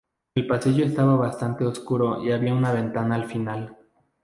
El pasillo estaba bastante oscuro y había una ventana al final.